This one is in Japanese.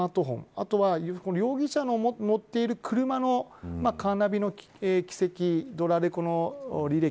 あとは容疑者の乗っている車のカーナビの軌跡ドラレコの履歴